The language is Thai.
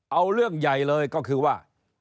เอาเรื่องใหญ่เลยก็คือว่า